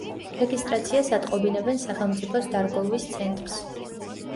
რეგისტრაციას ატყობინებენ სახელმწიფოს დარგოლვის ცენტრს.